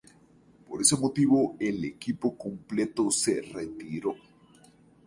Por ese motivo el equipo completo se retiró.